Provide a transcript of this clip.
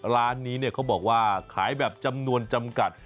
ร้านนี้เนี่ยเขาบอกว่าขายแบบจำนวนจำกัด